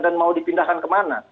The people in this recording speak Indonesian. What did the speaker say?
dan mau dipindahkan ke mana